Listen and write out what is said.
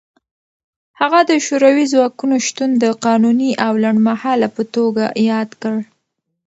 هغه د شوروي ځواکونو شتون د قانوني او لنډمهاله په توګه یاد کړ.